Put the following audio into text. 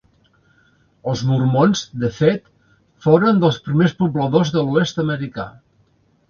Els mormons, de fet, foren dels primers pobladors de l'oest americà.